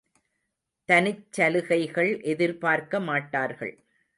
தனிச் சலுகைகள் எதிர்பார்க்கமாட்டார்கள்.